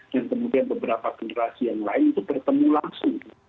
dan kemudian beberapa generasi yang lain itu bertemu langsung